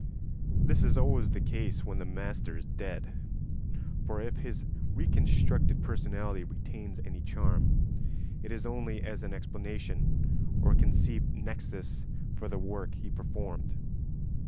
This is always the case when the master is dead; for if his reconstructed personality retains any charm, it is only as an explanation or conceived nexus for the work he performed.